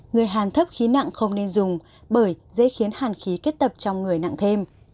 người hàn thấp khí nặng không nên dùng bởi dễ khiến hàn khí kết tập trong người nặng thêm